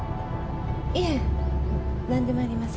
いえ何でもありません。